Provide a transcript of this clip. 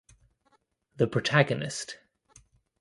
The protagonist.